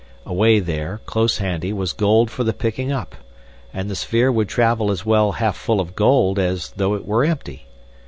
Away there, close handy, was gold for the picking up; and the sphere would travel as well half full of gold as though it were empty.